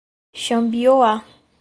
Xambioá